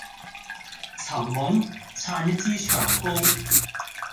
尋夢？撐一支長篙